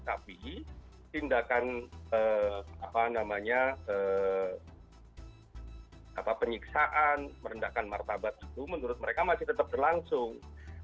tapi tindakan penyiksaan merendahkan martabat itu menurut mereka masih tetap berlangsung